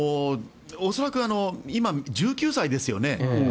恐らく今、１９歳ですよね。